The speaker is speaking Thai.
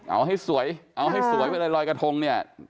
เอาให้สวยเอาให้สวยเวลาลอยกระทงเนี่ย